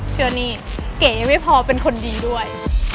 เชื่อนี่เก๋ไม่พอเป็นคนดีด้วย